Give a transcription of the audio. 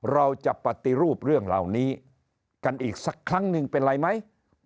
เราจะปฏิรูปเรื่องเหล่านี้กันอีกสักครั้งหนึ่งเป็นไรไหม